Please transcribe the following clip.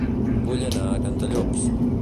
Vull anar a Cantallops